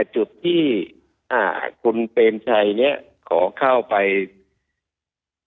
จุดที่ขุนเปรมชัยนี้ขอเข้าไปดู